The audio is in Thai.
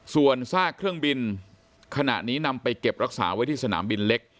ส่วนซากเครื่องบินขณะนี้นำไปเก็บรักษาไว้ที่สนามบินเล็ก